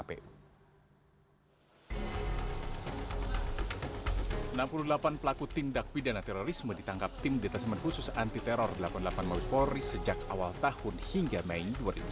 enam puluh delapan pelaku tindak pidana terorisme ditangkap tim detesmen khusus anti teror delapan puluh delapan mawi polri sejak awal tahun hingga mei dua ribu sembilan belas